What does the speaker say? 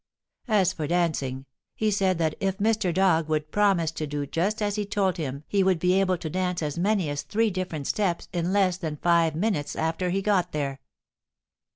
As for dancing, he said that if Mr. Dog would promise to do just as he told him he would be able to dance as many as three different steps in less than five minutes after he got there.